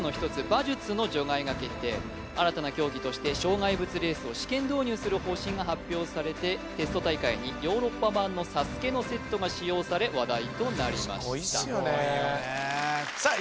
馬術の除外が決定新たな競技として障害物レースを試験導入する方針が発表されてテスト大会にヨーロッパ版のＳＡＳＵＫＥのセットが使用され話題となりましたすごいっすよねすごいよねさあ